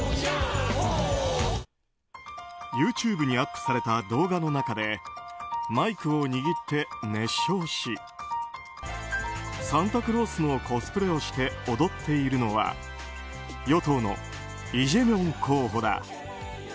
ＹｏｕＴｕｂｅにアップされた動画の中でマイクを握って熱唱しサンタクロースのコスプレをして踊っているのは与党のイ・ジェミョン候補だ。